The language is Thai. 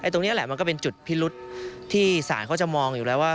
ตรงนี้แหละมันก็เป็นจุดพิรุษที่ศาลเขาจะมองอยู่แล้วว่า